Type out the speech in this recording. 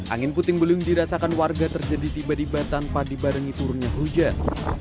angin puting beliung dirasakan warga terjadi tiba tiba tanpa dibarengi turunnya hujan